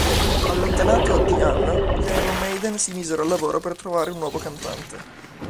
Allontanato Di'Anno, gli Iron Maiden si misero al lavoro per trovare un nuovo cantante.